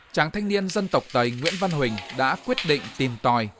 chàng thanh niên dân tộc tày nguyễn văn huỳnh đã quyết định tìm tòi